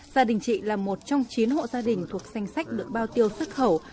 gia đình chị là một trong chín hộ gia đình thuộc danh sách được bao tiêu xuất khẩu